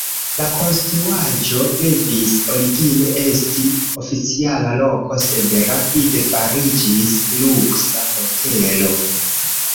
La konstruaĵo devis origine esti oficiala loko, sed rapide fariĝis luksa hotelo.